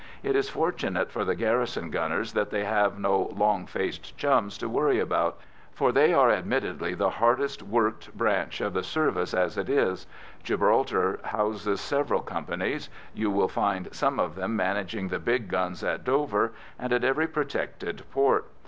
It is fortunate for the garrison gunners that they have no "long faced chums" to worry about, for they are admittedly the hardest worked branch of the service as it is. Gibraltar houses several companies; you will find some of them managing the big guns at Dover, and at every protected port.